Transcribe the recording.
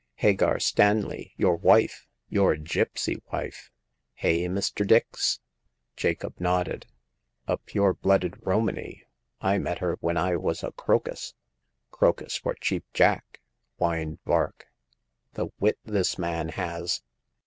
Hagar Stanley — your wife — ^your gipsy wife ! Hey, Mr. Dix ?" Jacob nodded. "A pure blooded Romany. I met her when I was a Crocus." Crocus for Cheap Jack !" whined Vark ;" the wit this man has